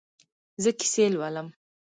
زه کیسې لولم